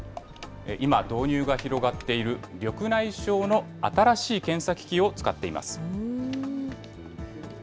今、導入が広がっている緑内障の新しい検査機器を使っています。